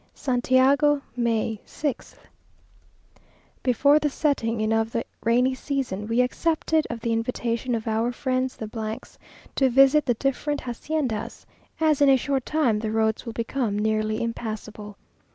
SANTIAGO, May 6th. Before the setting in of the rainy season, we accepted of the invitation of our friends the s, to visit the different haciendas, as in a short time the roads will become nearly impassable.